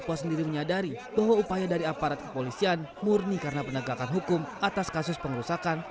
polisi sendiri menyadari bahwa upaya dari aparat kepolisian murni karena penegakan hukum atas kasus pengerusakan